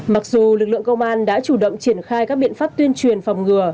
mặc dù lực lượng công an đã chủ động triển khai các biện pháp tuyên truyền phòng ngừa